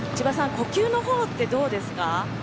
呼吸のほうってどうですか？